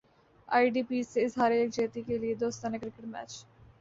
ائی D Ps سے اظہار یک جہتی کیلئے دوستانہ کرکٹ میچ